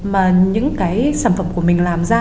mà những cái sản phẩm của mình làm ra